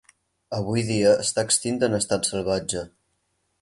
Avui dia està extinta en estat salvatge.